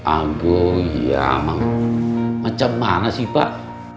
aduh iya macam mana sih pak